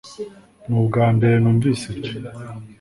Ni ubwambere numvise ibyo